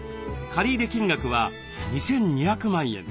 借入金額は２，２００万円。